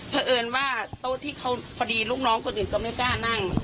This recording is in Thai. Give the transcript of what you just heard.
เพราะเอิญว่าโต๊ะที่เขาพอดีลูกน้องคนอื่นก็ไม่กล้านั่ง